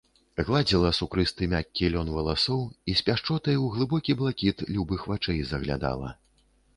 Гладзіла сукрысты мяккі лён валасоў і з пяшчотай у глыбокі блакіт любых вачэй заглядала.